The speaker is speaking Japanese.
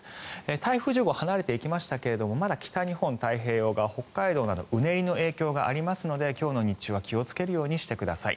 台風１０号離れていきましたがまだ北日本太平洋側、北海道などうねりの影響がありますので今日の日中は気をつけるようにしてください。